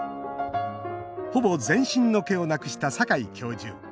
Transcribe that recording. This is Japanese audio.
ほぼ全身の毛をなくした坂井教授。